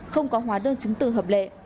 không có hóa đơn chứng tự hợp lệ